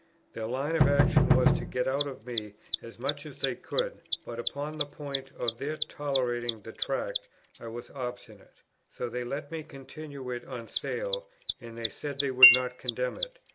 Their line of action was to get out of me as much as they could; but upon the point of their tolerating the Tract I was obstinate. So they let me continue it on sale; and they said they would not condemn it.